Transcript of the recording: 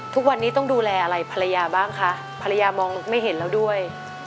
ทุกวันนี้ต้องดูแลอะไรภรรยาบ้างคะภรรยามองไม่เห็นแล้วด้วย